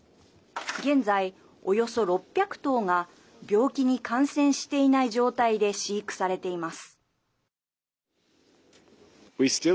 現在、およそ６００頭が病気に感染していない状態で飼育されています。